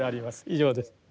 以上です。